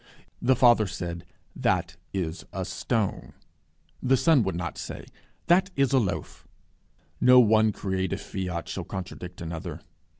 The Father said, That is a stone. The Son would not say, That is a loaf. No one creative fiat shall contradict another.